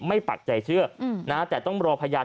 ไม่ปัจจัยเชื่อแต่ต้องรอพยาน